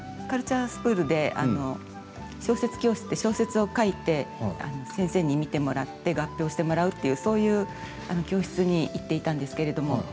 カルチャースクールで小説教室という、小説を書いて先生に見てもらって合評してもらうという、そういう教室に行っていたんですけれども。